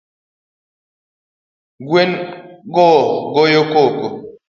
Gwen go goyo koko